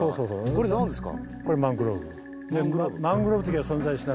これ何ですか？